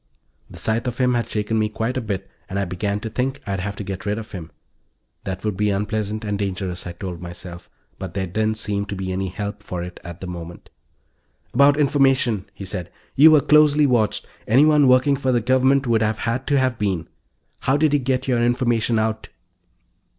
The sight of him had shaken me quite a bit and I began to think I'd have to get rid of him. That would be unpleasant and dangerous, I told myself. But there didn't seem to be any help for it, at the moment. "About information," he said. "You were closely watched anyone working for the Government would have had to have been. How did you get your information out?"